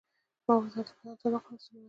ما ورته وویل: د بدن تودوخه مې څومره ده؟